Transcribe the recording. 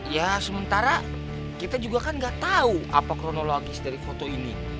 ya sementara kita juga kan nggak tahu apa kronologis dari foto ini